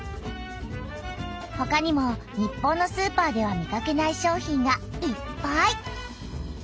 ほかにも日本のスーパーでは見かけない商品がいっぱい！